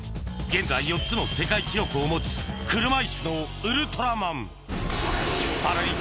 現在４つの世界記録を持つ車いすのウルトラマンパラ